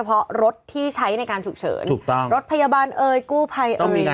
ดัดแต่งสภาพรถนะ